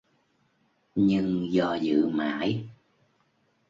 Nhưng do dự mãi